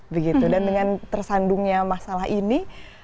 begitu dan dengan tersandungnya masalah ini